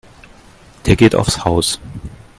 Der geht aufs Haus.